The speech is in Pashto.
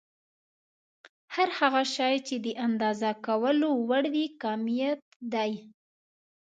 هر هغه شی چې د اندازه کولو وړ وي کميت دی.